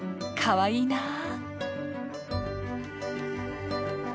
かわいいな。